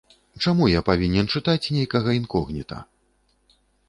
Чаму я павінен чытаць нейкага інкогніта?